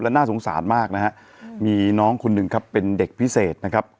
น่าสงสารมากนะฮะมีน้องคนหนึ่งครับเป็นเด็กพิเศษนะครับ